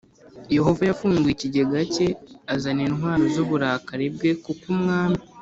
Yehova yafunguye ikigega cye azana intwaro z uburakari bwe kuko umwami